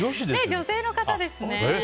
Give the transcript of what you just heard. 女性の方ですね。